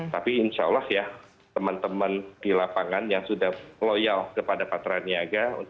tapi insya allah ya teman teman di lapangan yang sudah loyal kepada patra niaga